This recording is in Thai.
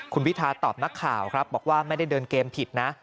คุณพิทาตอบนักข่าวครับบอกว่าไม่ได้เดินเกมผิดนะ